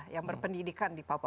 yang berpendidikan di papua